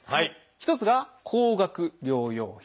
１つが「高額療養費」。